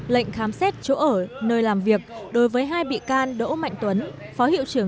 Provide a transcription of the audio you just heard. lệnh khám xét chỗ ở nơi lại và lệnh khám xét chỗ ở